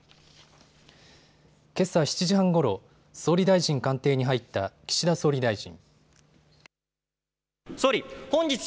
けさ７時半ごろ、総理大臣官邸に入った岸田総理大臣。